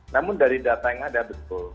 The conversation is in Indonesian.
namun dari data yang ada betul